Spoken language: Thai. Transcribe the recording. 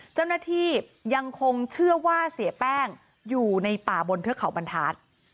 เจ้าหน้าที่ยังคงเชื่อว่าเสียแป้งอยู่ในป่าบนเทือกเขาบรรทัศน์